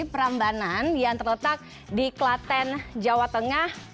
perambanan yang terletak di klaten jawa tengah